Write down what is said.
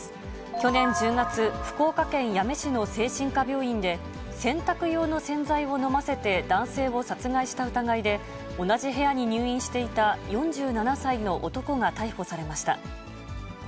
去年１０月、福岡県八女市の精神科病院で、洗濯用の洗剤を飲ませて男性を殺害した疑いで、同じ部屋に入院していた４７歳の男が逮捕されました。